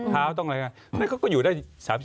คาร์ในก็อยู่ได้